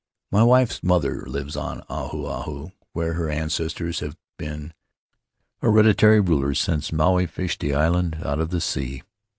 "Mv wife's mother lives on Ahu Ahu, where her ancestors have been hereditary rulers since Maui fished the island out of the sea.